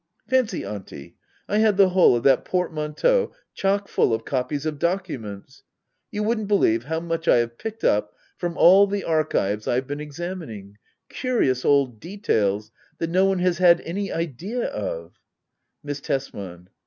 Fancy, Auntie — I had the whole of that port manteau chock full of copies of documents. You wouldn't believe how much I have picked up from all the archives I have been examining — curious old details that no one has had any idea of Miss Tesman.